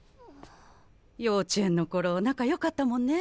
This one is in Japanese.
幼稚園の頃仲良かったもんね。